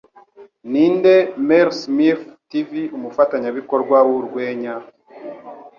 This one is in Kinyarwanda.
Ninde Mel Smiths Tv Umufatanyabikorwa Wurwenya